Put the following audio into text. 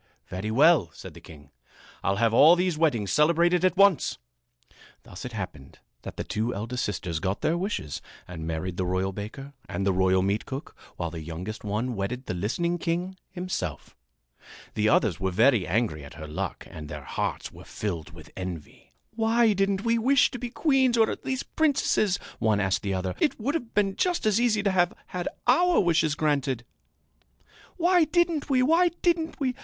"Very well," said the king. "I'll have all these weddings celebrated at once." Thus it happened that the two eldest sisters got their wishes and married the royal baker and the royal meatcook, while the youngest one wedded the listening king himself. The others were very angry at her luck and their hearts were filled with envy. "Why didn't we wish to be queens or at least princesses?" one asked the other. "It would have been just as easy to have had our wishes granted!" "Why didn't we! Why didn't we!